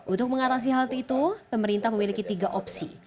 untuk mengatasi hal itu pemerintah memiliki tiga opsi